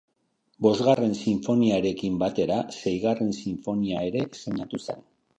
Bosgarren Sinfoniarekin batera Seigarren Sinfonia ere estreinatu zen.